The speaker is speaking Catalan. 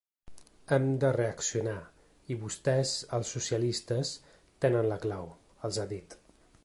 Hem de reaccionar i vostès, els socialistes, tenen la clau, els ha dit.